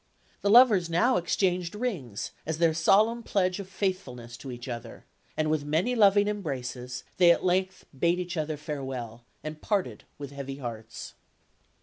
The lovers now exchanged rings, as their solemn pledge of faithfulness to each other; and with many loving embraces, they at length bade each other farewell, and parted with heavy hearts.